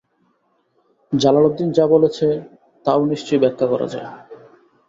Jalaluddin যা বলেছে, তাও নিশ্চয়ই ব্যাখ্যা করা যায়।